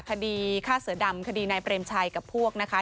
คดีฆ่าเสือดำคดีนายเปรมชัยกับพวกนะคะ